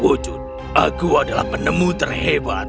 wujud aku adalah penemu terhebat